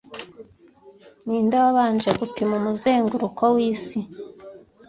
Ninde wabanje gupima umuzenguruko w'isi